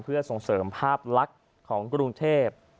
เพื่อส่งเสริมภาพลักษณ์ของกรุงเทพ